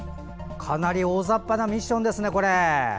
かなり大ざっぱなミッションですね。